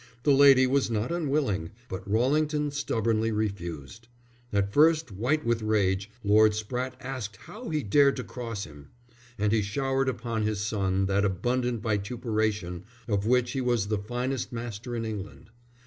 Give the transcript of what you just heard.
The lady was not unwilling, but Rallington stubbornly refused. At first, white with rage, Lord Spratte asked how he dared to cross him; and he showered upon his son that abundant vituperation of which he was the finest master in England.